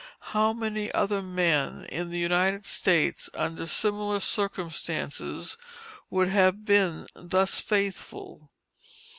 How many other men in the United States, under similar circumstances, would have been thus faithful?